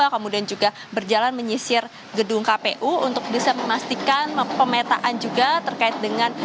kemudian juga berjalan menyisir gedung kpu untuk bisa memastikan pemetaan juga terkait dengan